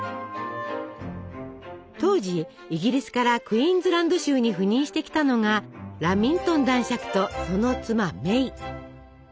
当時イギリスからクイーンズランド州に赴任してきたのがラミントン男爵とその妻メイ。